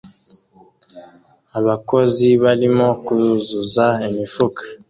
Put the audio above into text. Abakozi barimo kuzuza imifuka